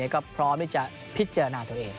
ก็พร้อมที่จะพิจารณาตัวเอง